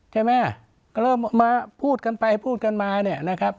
ใช่ไหมก็เริ่มมาพูดกันไปพูดกันมาเนี่ยนะครับ